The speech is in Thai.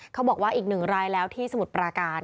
เขาบอกว่าอีกหนึ่งรายแล้วที่สมุทรปราการ